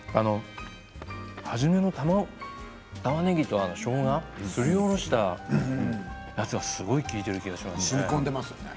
初めのたまねぎとしょうがすりおろしたやつがすごく利いていますね。